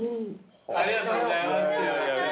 ありがとうございます。